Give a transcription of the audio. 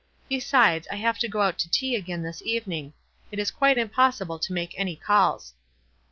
Besides, I have to go out to tea again this even ing — it is quite impossible to make any calls.